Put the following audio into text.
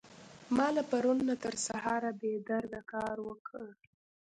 ما له پرون نه تر سهاره بې درده کار وکړ.